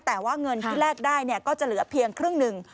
แต่ว่าเงินที่แลกได้ก็จะเหลือเพียงครึ่งหนึ่ง